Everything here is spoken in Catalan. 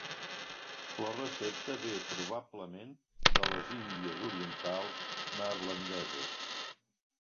La recepta ve probablement de les Índies Orientals Neerlandeses.